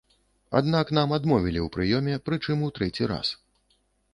Аднак нам адмовілі ў прыёме, прычым у трэці раз.